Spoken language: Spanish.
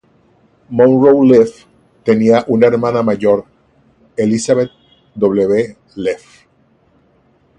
Monroe Leaf tenía una hermana mayor, Elizabeth W. Leaf.